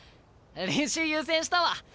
練習優先したわ！